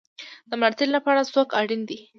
د ملاتړ لپاره څوک اړین دی؟